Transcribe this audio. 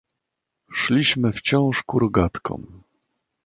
"Szliśmy wciąż ku rogatkom."